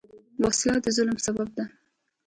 وسله د ظلم سبب ده